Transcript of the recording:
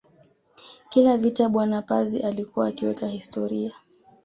Kila vita bwana Pazi alikuwa akiweka historia